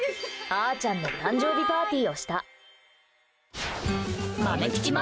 あーちゃんの誕生日パーティーをした。